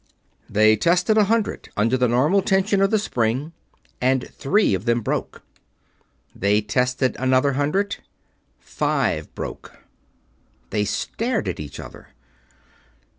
They tested a hundred, under the normal tension of the spring, and three of them broke. They tested another hundred. Five broke. They stared at each other.